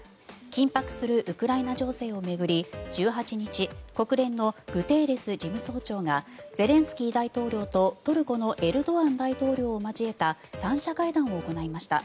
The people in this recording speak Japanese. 緊迫するウクライナ情勢を巡り１８日国連のグテーレス事務総長がゼレンスキー大統領とトルコのエルドアン大統領を交えた３者会談を行いました。